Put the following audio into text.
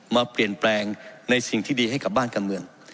มาเปลี่ยนแปลงในสิ่งที่ดีให้กับบ้านการเมือง